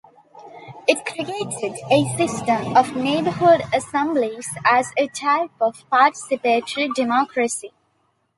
It created a system of neighbourhood assemblies as a type of participatory democracy.